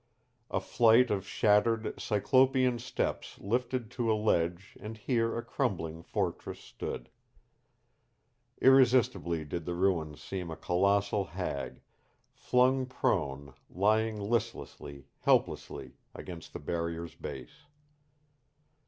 A flight of shattered, cyclopean steps lifted to a ledge and here a crumbling fortress stood. Irresistibly did the ruins seem a colossal hag, flung prone, lying listlessly, helplessly, against the barrier's base.